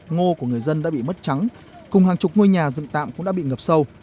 ngô của người dân đã bị mất trắng cùng hàng chục ngôi nhà dựng tạm cũng đã bị ngập sâu